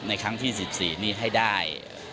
ครั้งที่๑๔นี้ให้ได้